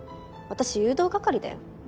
私誘導係だよ。